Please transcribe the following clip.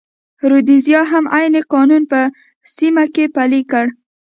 رودزیا هم عین قانون په سیمه کې پلی کړ.